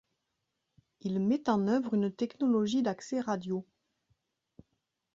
Il met en œuvre une technologie d'accès radio.